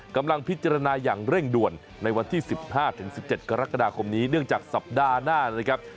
กำลังพิจารณาอย่างเร่งด่วนในวันที่๑๕๑๗กรกฎาคมนี้เนื่องจากสัปดาห์หน้านะครับ